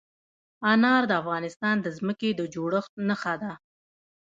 انار د افغانستان د ځمکې د جوړښت نښه ده.